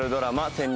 潜入